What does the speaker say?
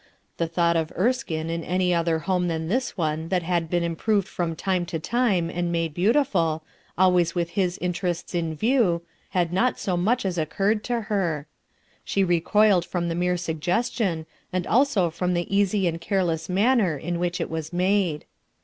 The thought of Erskine in any other home than this one that had been improved from time to lime and made beautiful, always with his interests in view, had not so much as occurred to ben She recoiled from the mere j 32 RUTH ERSKINE'S SON suggestion, and also from the easy and careless manner in which it was made.